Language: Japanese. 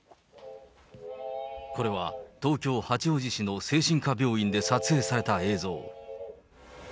これは、東京・八王子市の精神科病院で撮影された映像。